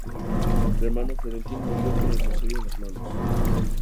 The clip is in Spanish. El Hermano Florentín murió con el rosario en las manos.